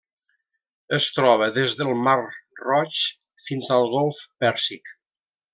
Es troba des del mar Roig fins al golf Pèrsic.